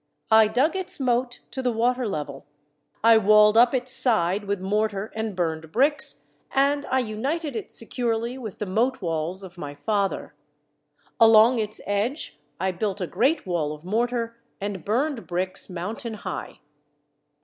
I dug its moat to the water level. I walled up its side with mortar and burned bricks, and I united it securely with the moat walls of my father. Along its edge I built a great wall of mortar and burned bricks moun tain high.